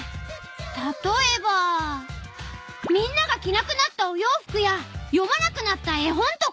たとえばみんなが着なくなったお洋服や読まなくなった絵本とか？